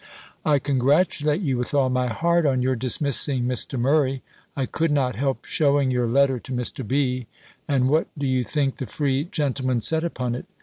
I congratulate you with all my heart on your dismissing Mr. Murray; I could not help shewing your letter to Mr. B. And what do you think the free gentleman said upon it?